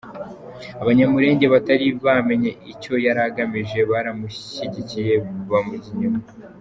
Abanyamulenge batari bamenye icyo yari agamije baramushyigikiye, bamujya inyuma.